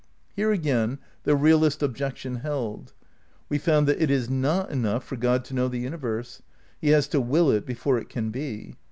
Here again the realist objection held. We found that it is not enough for Grod to know the universe ; he has to will it before it can be.